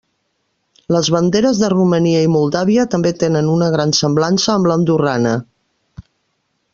Les banderes de Romania i Moldàvia també tenen una gran semblança amb l'andorrana.